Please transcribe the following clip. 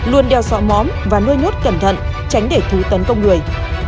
luôn đeo sọ móm và nuôi nhốt cẩn thận tránh để thú tấn công người